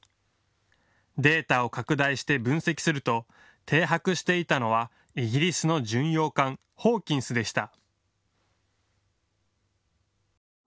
データを拡大して分析すると停泊していたのはイギリスの巡洋艦、ホーキンスでした。